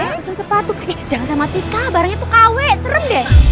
eh pesan sepatu eh jangan sama tika barangnya tuh kawe terem deh